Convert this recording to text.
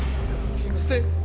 すいません。